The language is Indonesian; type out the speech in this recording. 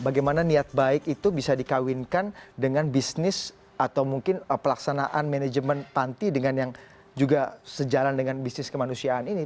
bagaimana niat baik itu bisa dikawinkan dengan bisnis atau mungkin pelaksanaan manajemen panti dengan yang juga sejalan dengan bisnis kemanusiaan ini